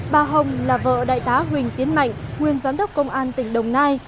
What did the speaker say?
bà hồng là vợ đại tá huỳnh tiến mạnh nguyên giám đốc công an tỉnh đồng nai